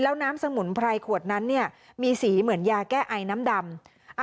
แล้วน้ำสมุนไพรขวดนั้นเนี่ยมีสีเหมือนยาแก้ไอน้ำดำ